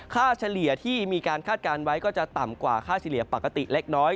เฉลี่ยที่มีการคาดการณ์ไว้ก็จะต่ำกว่าค่าเฉลี่ยปกติเล็กน้อย